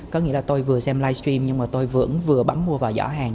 có nghĩa là tôi vừa xem live stream nhưng mà tôi vừa ứng vừa bấm mua vào giỏ hàng